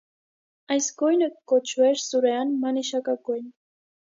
Այս գոյնը կը կոչուէր սուրեան մանիշակագոյն։